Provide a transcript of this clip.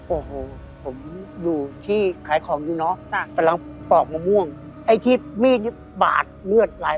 โอ้โหผมดูที่ขายของอยู่เนอะน่ะตอนนั้นปลอกมะม่วงไอ้ที่มีดนี่บาดเลือดหลาย